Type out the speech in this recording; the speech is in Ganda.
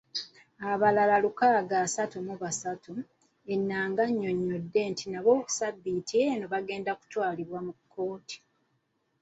Abalala lukaaga asatu mu basatu, Enanga annyonnyodde nti nabo ssabbiiti eno bagenda kutwalibwa mu kkooti.